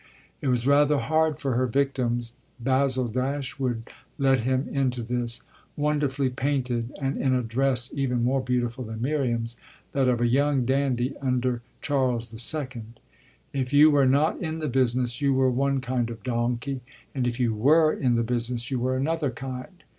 It was rather hard for her victims Basil Dashwood let him into this, wonderfully painted and in a dress even more beautiful than Miriam's, that of a young dandy under Charles the Second: if you were not in the business you were one kind of donkey and if you were in the business you were another kind.